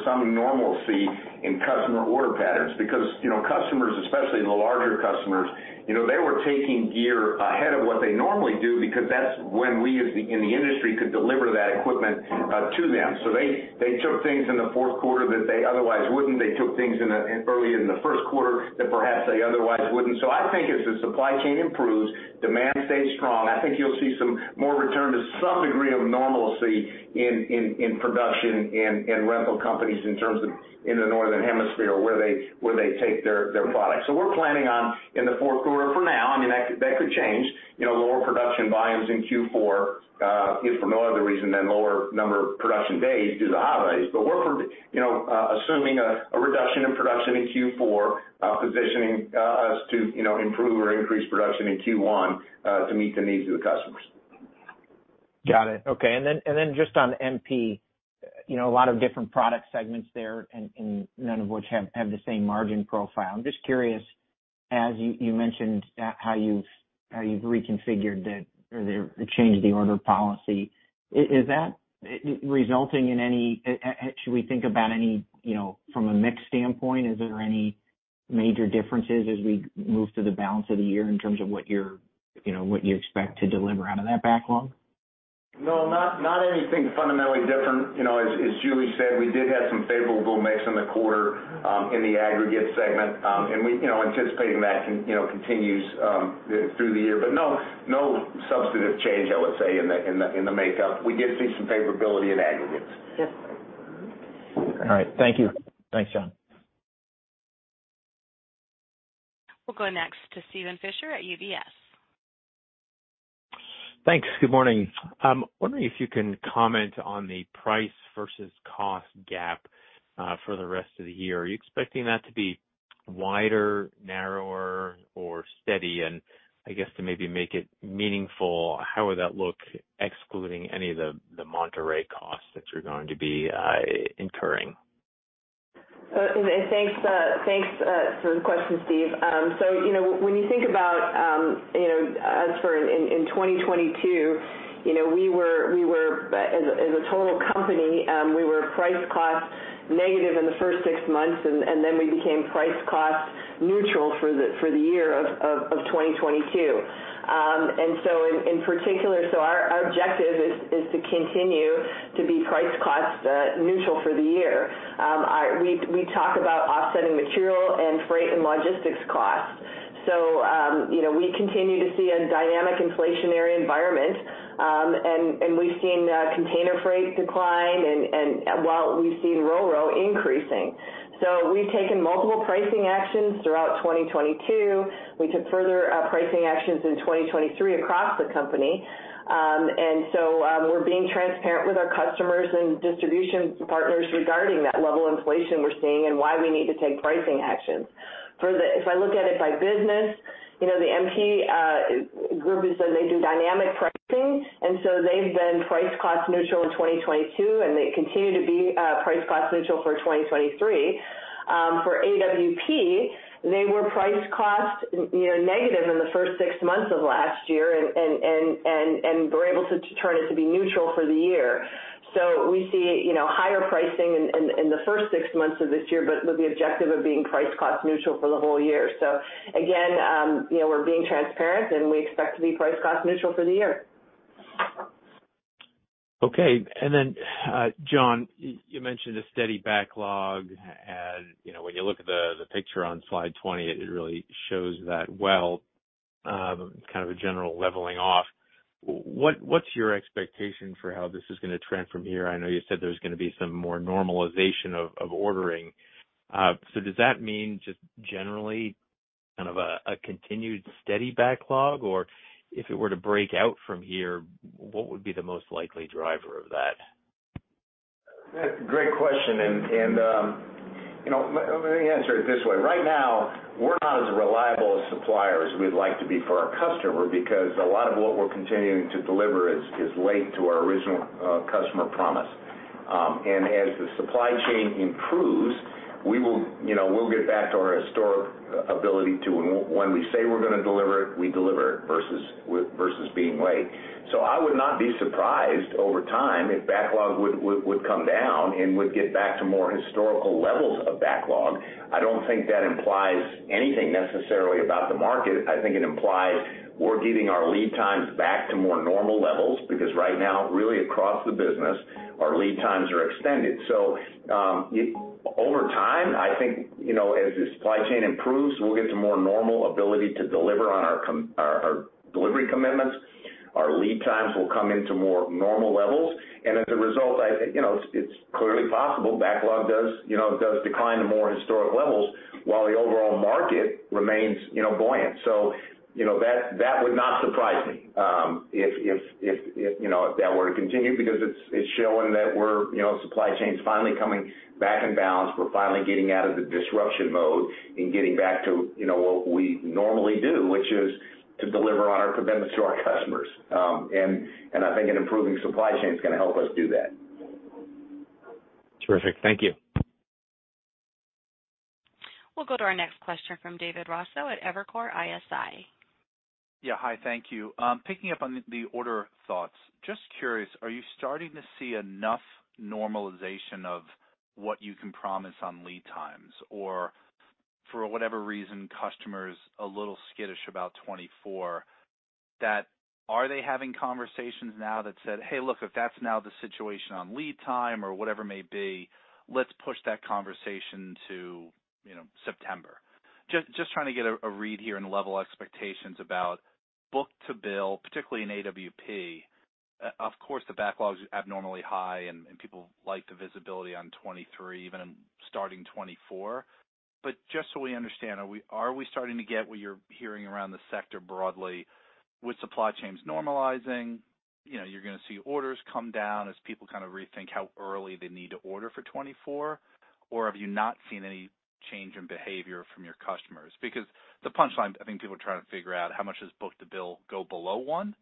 Speaker 3: some normalcy in customer order patterns. You know, customers, especially the larger customers, you know, they were taking gear ahead of what they normally do because that's when we as the in the industry could deliver that equipment, to them. They took things in the fourth quarter that they otherwise wouldn't. They took things in a early in the first quarter that perhaps they otherwise wouldn't. I think as the supply chain improves, demand stays strong, I think you'll see some more return to some degree of normalcy in production in rental companies in terms of in the Northern Hemisphere where they take their products. We're planning on in the fourth quarter for now, I mean, that could change, you know, lower production volumes in Q4, if for no other reason than lower number of production days due to the holidays. We're, you know, assuming a reduction in production in Q4, positioning us to, you know, improve or increase production in Q1 to meet the needs of the customers.
Speaker 8: Got it. Okay. Just on MP, you know, a lot of different product segments there and none of which have the same margin profile. I'm just curious, as you mentioned how you've reconfigured the, changed the order policy. Is that resulting in any... Actually we think about any, you know, from a mix standpoint, is there any- Major differences as we move to the balance of the year in terms of what you're, you know, what you expect to deliver out of that backlog?
Speaker 3: No, not anything fundamentally different. You know, as Julie said, we did have some favorable mix in the quarter, in the aggregate segment. We, you know, anticipating that continues through the year. No substantive change, I would say in the makeup. We did see some favorability in aggregates.
Speaker 4: Yes.
Speaker 9: All right. Thank you. Thanks, John.
Speaker 1: We'll go next to Steven Fisher at UBS.
Speaker 10: Thanks. Good morning. Wondering if you can comment on the price versus cost gap for the rest of the year? Are you expecting that to be wider, narrower, or steady? I guess to maybe make it meaningful, how would that look excluding any of the Monterrey costs that you're going to be incurring?
Speaker 4: Thanks for the question, Steve. You know, when you think about, you know, as for in 2022, you know, we were as a total company, we were price/cost negative in the first 6 months, and then we became price/cost neutral for the year of 2022. In particular, so our objective is to continue to be price/cost neutral for the year. We talk about offsetting material and freight and logistics costs. You know, we continue to see a dynamic inflationary environment. And we've seen container freight decline and while we've seen ro-ro increasing. We've taken multiple pricing actions throughout 2022. We took further pricing actions in 2023 across the company. We're being transparent with our customers and distribution partners regarding that level of inflation we're seeing and why we need to take pricing actions. If I look at it by business, you know, the MP group is that they do dynamic pricing, they've been price/cost neutral in 2022, and they continue to be price/cost neutral for 2023. For AWP, they were price/cost, you know, negative in the first 6 months of last year and were able to turn it to be neutral for the year. We see, you know, higher pricing in the first 6 months of this year, but with the objective of being price/cost neutral for the whole year. Again, you know, we're being transparent, and we expect to be price/cost neutral for the year.
Speaker 10: Okay. John, you mentioned a steady backlog. You know, when you look at the picture on slide 20, it really shows that well, kind of a general leveling off. What's your expectation for how this is gonna trend from here? I know you said there's gonna be some more normalization of ordering. Does that mean just generally kind of a continued steady backlog? Or if it were to break out from here, what would be the most likely driver of that?
Speaker 3: That's a great question. You know, let me answer it this way. Right now, we're not as reliable a supplier as we'd like to be for our customer because a lot of what we're continuing to deliver is late to our original customer promise. As the supply chain improves, we will, you know, we'll get back to our historic ability to when we say we're gonna deliver it, we deliver it versus being late. I would not be surprised over time if backlog would come down and would get back to more historical levels of backlog. I don't think that implies anything necessarily about the market. I think it implies we're getting our lead times back to more normal levels because right now, really across the business, our lead times are extended. Over time, I think, you know, as the supply chain improves, we'll get to more normal ability to deliver on our delivery commitments. Our lead times will come into more normal levels. I think, you know, it's clearly possible backlog does decline to more historic levels while the overall market remains, you know, buoyant. That would not surprise me if, you know, if that were to continue because it's showing that we're supply chain's finally coming back and balanced. We're finally getting out of the disruption mode and getting back to, you know, what we normally do, which is to deliver on our commitments to our customers. I think an improving supply chain is gonna help us do that.
Speaker 10: Terrific. Thank you.
Speaker 1: We'll go to our next question from David Raso at Evercore ISI.
Speaker 9: Yeah. Hi, thank you. Picking up on the order thoughts. Just curious, are you starting to see enough normalization of what you can promise on lead times? Or for whatever reason, customers a little skittish about 2024, that are they having conversations now that said, "Hey, look, if that's now the situation on lead time or whatever may be, let's push that conversation to, you know, September." Just trying to get a read here and level expectations about book-to-bill, particularly in AWP. Of course, the backlog's abnormally high, and people like the visibility on 2023, even in starting 2024. Just so we understand, are we starting to get what you're hearing around the sector broadly with supply chains normalizing? You know, you're gonna see orders come down as people kind of rethink how early they need to order for 2024, or have you not seen any change in behavior from your customers? Because the punchline, I think people are trying to figure out how much does book-to-bill go below 1,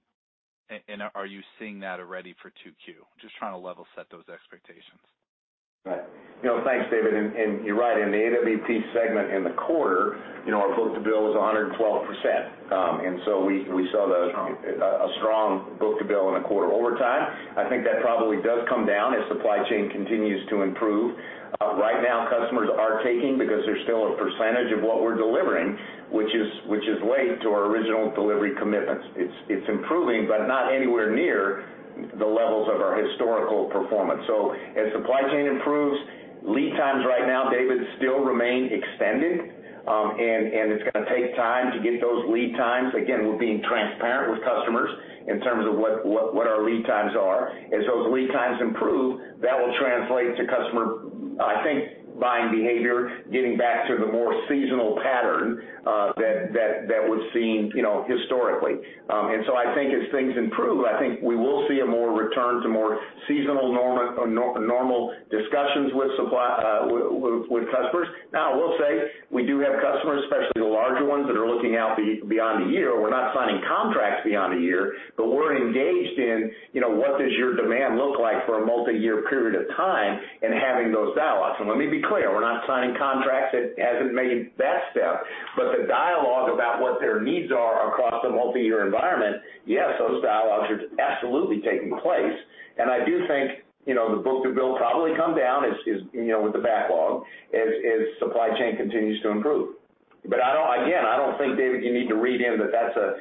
Speaker 9: and are you seeing that already for 2Q? Just trying to level set those expectations.
Speaker 3: Right. You know, thanks, David, and you're right. In the AWP segment in the quarter, you know, our book-to-bill is 112%. We saw the
Speaker 9: Strong...
Speaker 3: a strong book-to-bill in a quarter overtime. I think that probably does come down as supply chain continues to improve. Right now, customers are taking because there's still a percentage of what we're delivering, which is late to our original delivery commitments. It's improving, but not anywhere near the levels of our historical performance. As supply chain improves, lead times right now, David, still remain extended, and it's gonna take time to get those lead times. Again, we're being transparent with customers in terms of what our lead times are. As lead times improve, that will translate to customer, I think, buying behavior, getting back to the more seasonal pattern, that was seen, you know, historically. I think as things improve, I think we will see a more return to more seasonal normal discussions with customers. Now, I will say we do have customers, especially the larger ones, that are looking out beyond the year. We're not signing contracts beyond a year, but we're engaged in, you know, what does your demand look like for a multiyear period of time and having those dialogues. Let me be clear, we're not signing contracts that hasn't made that step. The dialogue about what their needs are across a multiyear environment, yes, those dialogues are absolutely taking place. I do think, you know, the book-to-bill probably come down as, you know, with the backlog as supply chain continues to improve. Again, I don't think, David, you need to read in that that's a,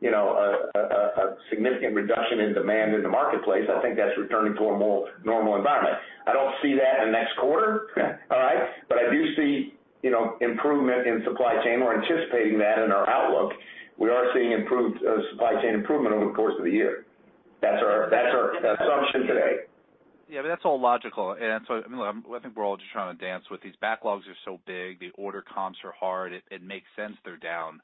Speaker 3: you know, a significant reduction in demand in the marketplace. I think that's returning to a more normal environment. I don't see that in next quarter.
Speaker 9: Yeah.
Speaker 3: All right. I do see, you know, improvement in supply chain. We're anticipating that in our outlook. We are seeing improved, supply chain improvement over the course of the year. That's our assumption today.
Speaker 9: Yeah, that's all logical. I mean, look, I think we're all just trying to dance with these backlogs are so big, the order comps are hard. It makes sense they're down.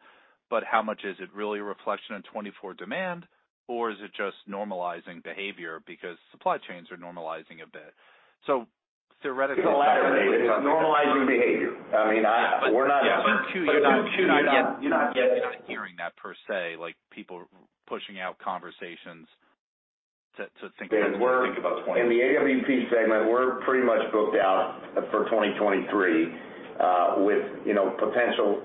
Speaker 9: How much is it really a reflection on 2024 demand, or is it just normalizing behavior because supply chains are normalizing a bit?
Speaker 3: It's the latter, David. It's normalizing behavior. I mean.
Speaker 9: Q2, you're.
Speaker 3: Q2, you're not.
Speaker 9: You're not hearing that per se, like people pushing out conversations to.
Speaker 3: David.
Speaker 9: To think about 'twenty-
Speaker 3: In the AWP segment, we're pretty much booked out for 2023, with you know, potential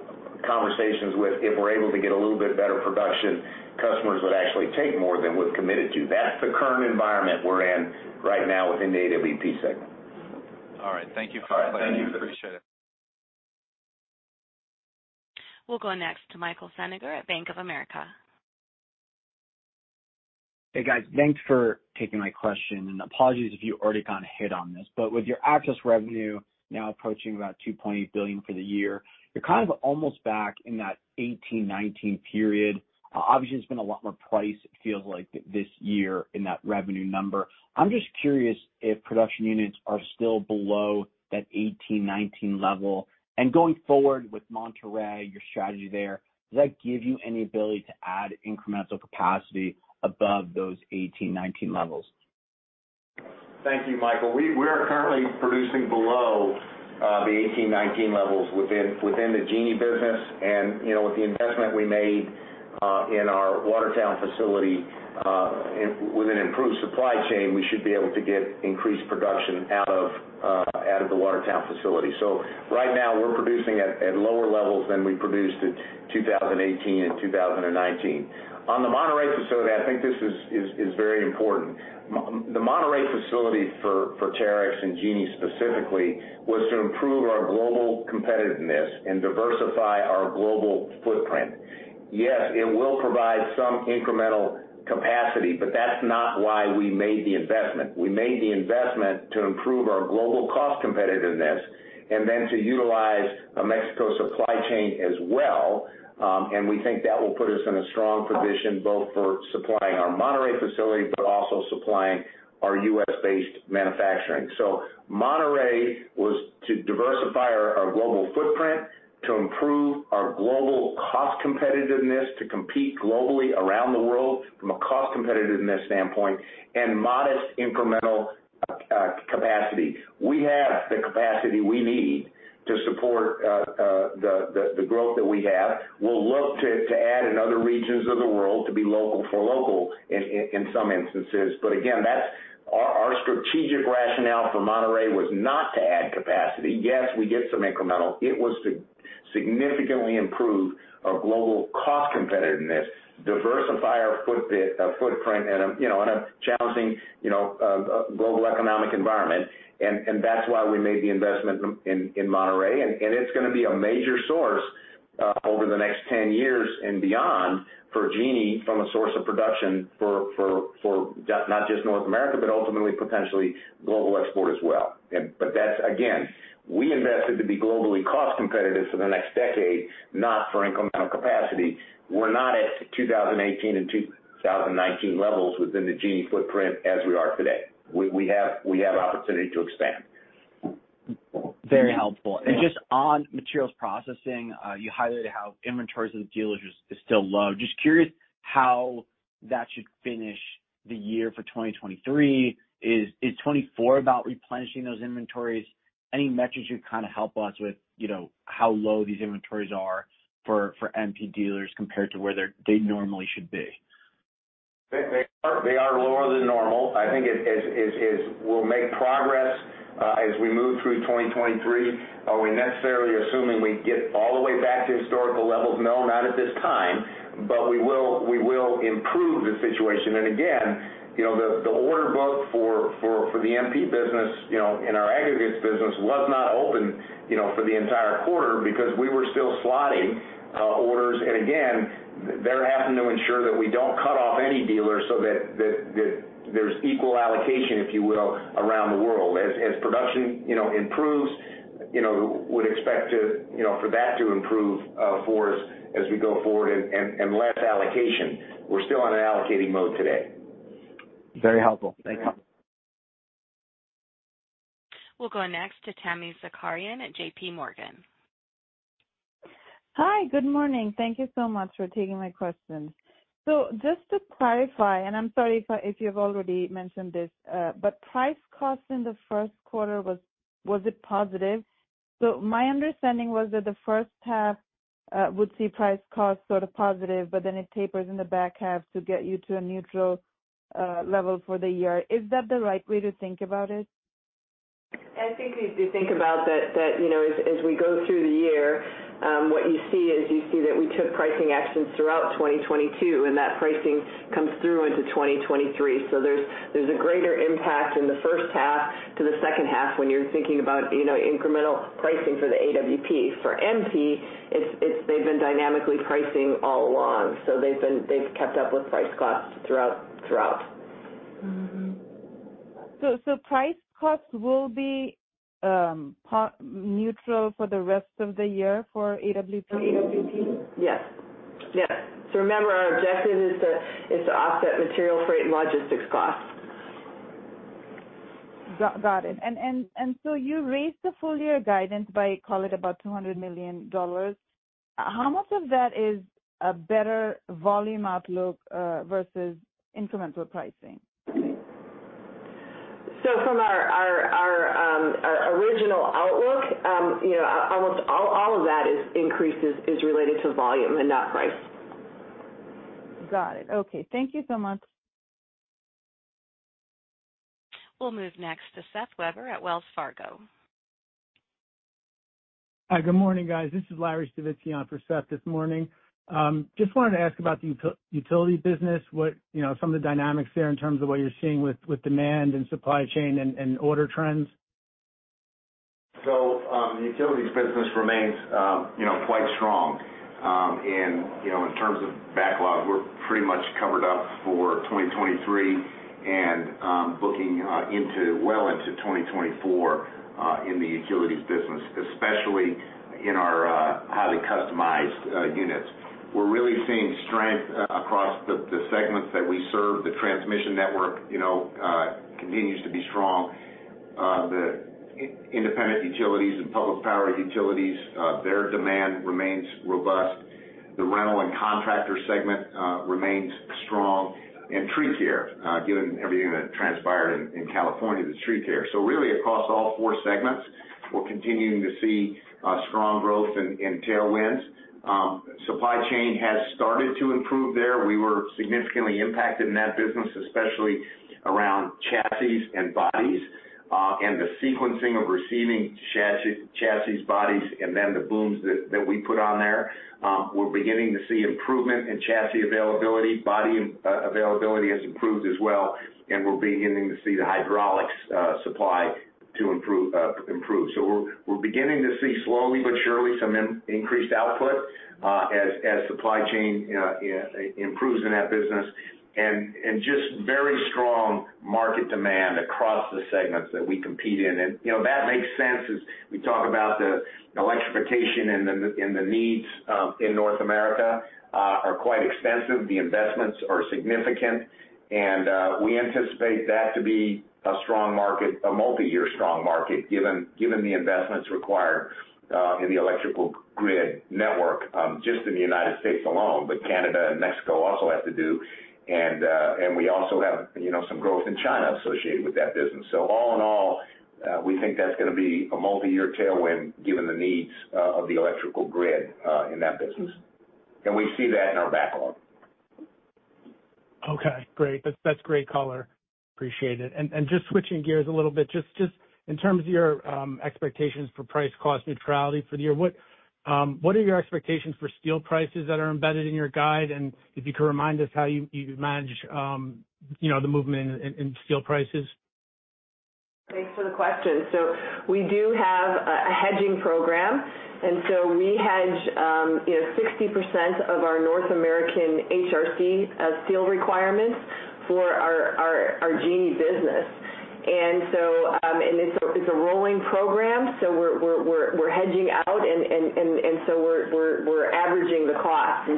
Speaker 3: conversations with if we're able to get a little bit better production, customers would actually take more than we've committed to. That's the current environment we're in right now within the AWP segment.
Speaker 9: All right. Thank you for the clarity.
Speaker 3: All right. Thank you, David.
Speaker 9: Appreciate it.
Speaker 1: We'll go next to Michael Feniger at Bank of America.
Speaker 11: Hey, guys. Thanks for taking my question, and apologies if you already kinda hit on this. With your access revenue now approaching about $2.8 billion for the year, you're kind of almost back in that 2018, 2019 period. Obviously, there's been a lot more price, it feels like this year in that revenue number. I'm just curious if production units are still below that 2018, 2019 level. Going forward with Monterrey, your strategy there, does that give you any ability to add incremental capacity above those 2018, 2019 levels?
Speaker 3: Thank you, Michael. We are currently producing below the 18, 19 levels within the Genie business. You know, with the investment we made in our Watertown facility, with an improved supply chain, we should be able to get increased production out of the Watertown facility. Right now, we're producing at lower levels than we produced in 2018 and 2019. On the Monterrey facility, I think this is very important. The Monterrey facility for Terex and Genie specifically was to improve our global competitiveness and diversify our global footprint. Yes, it will provide some incremental capacity, that's not why we made the investment. We made the investment to improve our global cost competitiveness and then to utilize a Mexico supply chain as well. We think that will put us in a strong position both for supplying our Monterrey facility, but also supplying our U.S.-based manufacturing. Monterrey was to diversify our global footprint, to improve our global cost competitiveness, to compete globally around the world from a cost competitiveness standpoint and modest incremental capacity. We have the capacity we need to support the growth that we have. We'll look to add in other regions of the world to be local for local in some instances. Again, that's our strategic rationale for Monterrey was not to add capacity. Yes, we get some incremental. It was to significantly improve our global cost competitiveness, diversify our footprint in a, you know, in a challenging, you know, global economic environment. That's why we made the investment in Monterrey. It's gonna be a major source over the next 10 years and beyond for Genie from a source of production for not just North America, but ultimately potentially global export as well. That's again, we invested to be globally cost competitive for the next decade, not for incremental capacity. We're not at 2018 and 2019 levels within the Genie footprint as we are today. We have opportunity to expand.
Speaker 11: Very helpful.
Speaker 3: Yeah.
Speaker 11: Just on Materials Processing, you highlighted how inventories of the dealers is still low. Just curious how that should finish the year for 2023. Is 2024 about replenishing those inventories? Any metrics you'd kind of help us with, you know, how low these inventories are for MP dealers compared to where they normally should be?
Speaker 3: They are lower than normal. I think we'll make progress as we move through 2023. Are we necessarily assuming we get all the way back to historical levels? No, not at this time. We will improve the situation. Again, you know, the order book for the MP business, you know, and our aggregates business was not open, you know, for the entire quarter because we were still slotting orders. Again, they're having to ensure that we don't cut off any dealer so that there's equal allocation, if you will, around the world. As production, you know, improves, you know, would expect to, you know, for that to improve for us as we go forward and less allocation. We're still in an allocating mode today.
Speaker 11: Very helpful. Thank you.
Speaker 1: We'll go next to Tami Zakaria at JPMorgan.
Speaker 12: Hi, good morning. Thank you so much for taking my questions. Just to clarify, and I'm sorry if you've already mentioned this, but price cost in the first quarter was it positive? My understanding was that the first half would see price cost sort of positive, but then it tapers in the back half to get you to a neutral level for the year. Is that the right way to think about it?
Speaker 4: I think if you think about that, you know, as we go through the year, what you see is that we took pricing actions throughout 2022, and that pricing comes through into 2023. There's a greater impact in the first half to the second half when you're thinking about, you know, incremental pricing for the AWP. For MP, they've been dynamically pricing all along. They've kept up with price costs throughout.
Speaker 12: Price costs will be neutral for the rest of the year for AWP?
Speaker 4: For AWP? Yes. Remember, our objective is to offset material freight and logistics costs.
Speaker 12: Got it. You raised the full year guidance by, call it, about $200 million. How much of that is a better volume outlook versus incremental pricing?
Speaker 4: From our original outlook, you know, almost all of that is increases is related to volume and not price.
Speaker 12: Got it. Okay. Thank you so much.
Speaker 1: We'll move next to Seth Weber at Wells Fargo.
Speaker 13: Hi, good morning, guys. This is Larry Stavitski on for Seth this morning. Just wanted to ask about the utility business. What, you know, some of the dynamics there in terms of what you're seeing with demand and supply chain and order trends?
Speaker 3: The Utilities business remains, you know, quite strong. You know, in terms of backlog, we're pretty much covered up for 2023 and looking well into 2024 in the Utilities business, especially in our highly customized units. We're really seeing strength across the segments that we serve. The transmission network, you know, continues to be strong. The independent utilities and public power utilities, their demand remains robust. The rental and contractor segment remains strong. Tree care, given everything that transpired in California, the tree care. Really across all four segments, we're continuing to see strong growth and tailwinds. Supply chain has started to improve there. We were significantly impacted in that business, especially around chassis and bodies, and the sequencing of receiving chassis, bodies, and then the booms that we put on there. We're beginning to see improvement in chassis availability. Body availability has improved as well, and we're beginning to see the hydraulics supply to improve. So we're beginning to see slowly but surely some increased output as supply chain improves in that business. Just very strong market demand across the segments that we compete in. You know, that makes sense as we talk about the electrification and the needs in North America are quite extensive. The investments are significant, and we anticipate that to be a strong market, a multi-year strong market, given the investments required in the electrical grid network just in the United States alone. Canada and Mexico also have to do. We also have, you know, some growth in China associated with that business. All in all, we think that's gonna be a multi-year tailwind given the needs of the electrical grid in that business. We see that in our backlog.
Speaker 13: Okay, great. That's great color. Appreciate it. Just switching gears a little bit, just in terms of your expectations for price cost neutrality for the year, what are your expectations for steel prices that are embedded in your guide? If you could remind us how you manage, you know, the movement in steel prices?
Speaker 4: Thanks for the question. We do have a hedging program. We hedge, you know, 60% of our North American HRC steel requirements for our Genie business. It's a rolling program, so we're hedging out and so we're averaging the cost.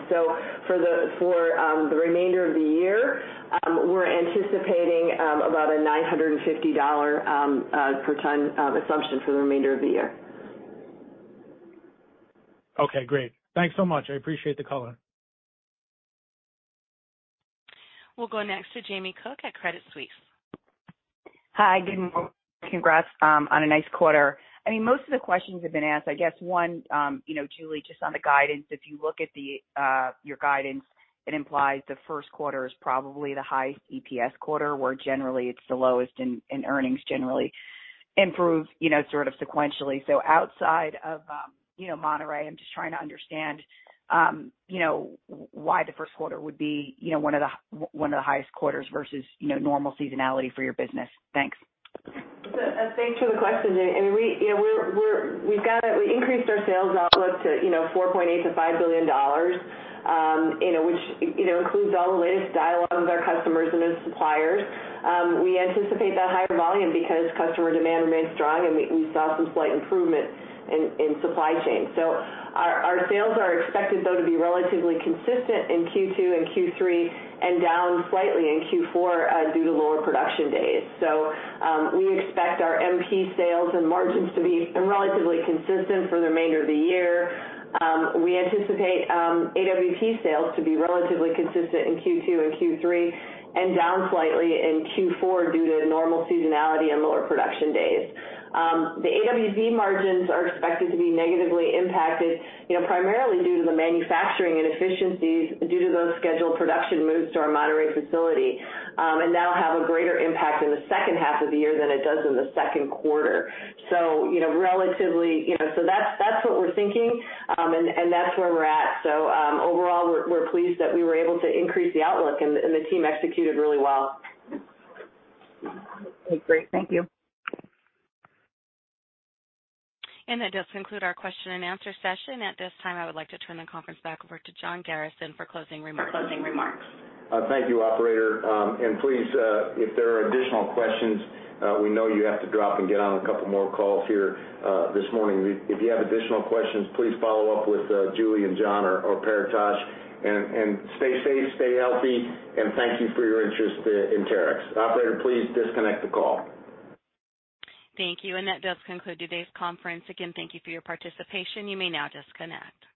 Speaker 4: For the remainder of the year, we're anticipating about a $950 per ton assumption for the remainder of the year.
Speaker 13: Okay, great. Thanks so much. I appreciate the color.
Speaker 1: We'll go next to Jamie Cook at Credit Suisse.
Speaker 14: Hi, good morning. Congrats, on a nice quarter. I mean, most of the questions have been asked. I guess one, you know, Julie, just on the guidance, if you look at the, your guidance, it implies the first quarter is probably the highest EPS quarter, where generally it's the lowest and earnings generally improve, you know, sort of sequentially. Outside of, you know, Monterrey, I'm just trying to understand, why the first quarter would be, you know, one of the highest quarters versus, you know, normal seasonality for your business. Thanks.
Speaker 4: Thanks for the question. I mean, you know, we increased our sales outlook to, you know, $4.8 billion-$5 billion, you know, which, you know, includes all the latest dialogue with our customers and their suppliers. We anticipate that higher volume because customer demand remains strong, and we saw some slight improvement in supply chain. Our sales are expected though to be relatively consistent in Q2 and Q3 and down slightly in Q4 due to lower production days. We expect our MP sales and margins to be relatively consistent for the remainder of the year. We anticipate AWP sales to be relatively consistent in Q2 and Q3 and down slightly in Q4 due to normal seasonality and lower production days. The AWP margins are expected to be negatively impacted, you know, primarily due to the manufacturing inefficiencies due to those scheduled production moves to our Monterrey facility, that'll have a greater impact in the second half of the year than it does in the second quarter. You know, relatively, you know, that's what we're thinking, that's where we're at. Overall, we're pleased that we were able to increase the outlook and the, and the team executed really well.
Speaker 14: Okay, great. Thank you.
Speaker 1: That does conclude our question and answer session. At this time, I would like to turn the conference back over to John Garrison for closing remarks.
Speaker 3: Thank you, operator. And please, if there are additional questions, we know you have to drop and get on a couple more calls here this morning. If you have additional questions, please follow up with Julie and John or Paritosh, and stay safe, stay healthy, and thank you for your interest in Terex. Operator, please disconnect the call.
Speaker 1: Thank you. That does conclude today's conference. Again, thank you for your participation. You may now disconnect.